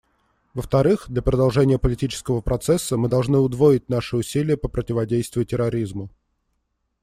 Во-вторых, для продолжения политического процесса мы должны удвоить наши усилия по противодействию терроризму.